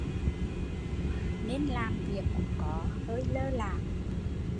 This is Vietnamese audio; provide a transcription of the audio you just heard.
Gần Tết nên làm việc cũng có lơi là